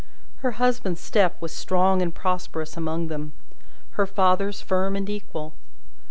Her husband's step was strong and prosperous among them; her father's firm and equal.